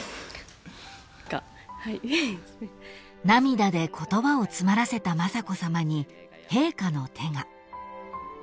［涙で言葉を詰まらせた雅子さまに陛下の手が］